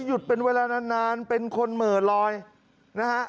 หยุดเป็นเวลานานเป็นคนเหม่อลอยนะฮะ